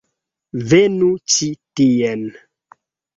Venu ĉi tien!